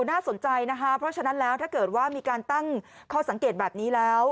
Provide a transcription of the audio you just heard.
น่าสนใจนะคะเพราะฉะนั้นแล้วถ้าเกิดว่ามีการตั้งข้อสังเกตแบบนี้แล้ว